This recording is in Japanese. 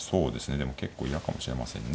でも結構嫌かもしれませんね